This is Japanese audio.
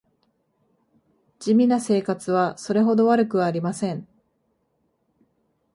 地味な生活はそれほど悪くはありません